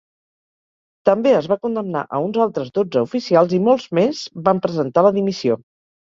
També es va condemnar a uns altres dotze oficials i molts més van presentar la dimissió.